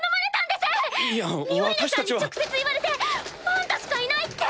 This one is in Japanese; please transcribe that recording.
ミオリネさんに直接言われて「あんたしかいない」って。